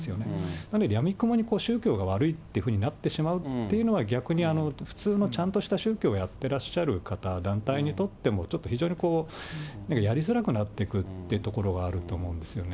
なので、やみくもに宗教が悪いというふうになってしまうっていうのは、逆に普通のちゃんとした宗教をやってらっしゃる方、団体にとっても、ちょっと非常にこう、やりづらくなっていくというところがあると思うんですよね。